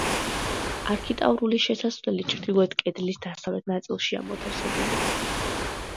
არქიტრავული შესასვლელი ჩრდილოეთ კედლის დასავლეთ ნაწილშია მოთავსებული.